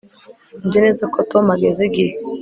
Nzi neza ko Tom ageze igihe